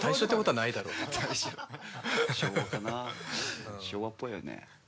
昭和っぽいよね。